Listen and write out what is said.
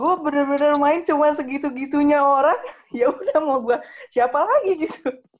gue bener bener main cuma segitu gitunya orang ya udah mau buat siapa lagi gitu